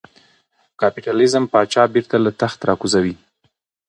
کاپیتالېزم پاچا بېرته له تخته را کوزوي.